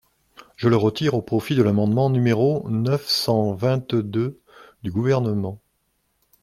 Je le retire au profit de l’amendement numéro neuf cent vingt-deux du Gouvernement.